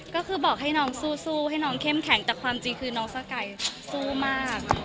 ก็คือบอกให้น้องสู้ให้น้องเข้มแข็งแต่ความจริงคือน้องสไก่สู้มาก